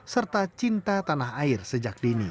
serta cinta tanah air sejak dini